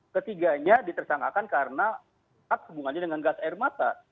ketiganya ditersangkakan karena hubungannya dengan gas air mata